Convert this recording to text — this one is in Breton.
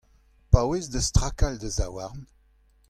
paouez da stlakal da zaouarn.